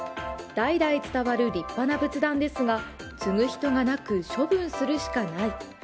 代々伝わる立派な仏壇ですが継ぐ人がなく処分するしかない。